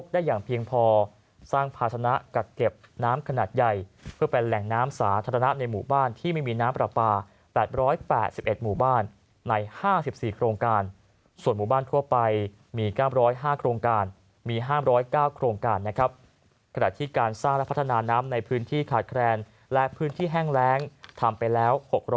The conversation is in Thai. ได้อย่างเพียงพอสร้างพัฒนากัดเก็บน้ำขนาดใหญ่เพื่อเป็นแหล่งน้ำสาธารณะในหมู่บ้านที่ไม่มีน้ำประปาแปดร้อยแปดสิบเอ็ดหมู่บ้านในห้าสิบสี่โครงการส่วนหมู่บ้านทั่วไปมีก้ามร้อยห้าโครงการมีห้ามร้อยเก้าโครงการนะครับขณะที่การสร้างและพัฒนาน้ำในพื้นที่ขาดแคลนและพื้นที่แห้งแร